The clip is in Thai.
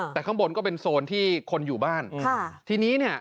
แต่ข้างบนก็เป็นโซนที่คนอยู่บ้านค่ะทีนี้เนี่ย